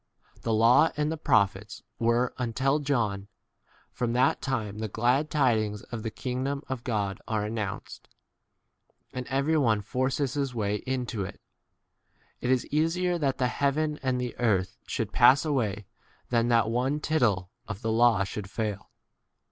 16 The law and the prophets [were] until John: from that time the glad tidings of the kingdom of God are announced, and every one l ? forces his way into it. It is easier that the heaven and the earth should pass away than that one 18 tittle of the law should fail.